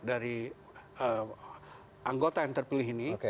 dari anggota yang terpilih ini